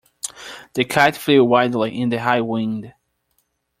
The kite flew wildly in the high wind.